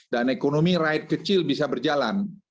dan ekonomi rakyat kecil bisa berjalan